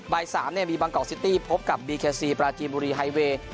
ใบสามเนี่ยมีบางกอกซิตี้พบกับบีแคซีปราจีบุรีไฮเวย์